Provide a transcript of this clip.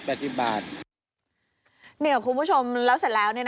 คุณผู้ชมแล้วเสร็จแล้ว